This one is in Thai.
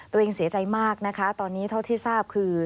ตัวเองเสียใจมากนะคะตอนนี้เท่าที่ทราบคือ